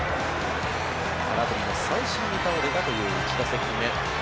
空振りの三振に倒れたという１打席目。